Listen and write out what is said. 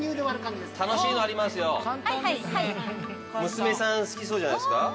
娘さん好きそうじゃないですか？